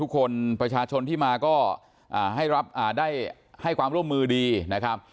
คนประชาชนที่มาก็ให้รับได้ให้ความร่วมมือดีนะครับ